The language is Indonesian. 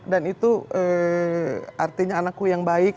dan itu artinya anakku yang baik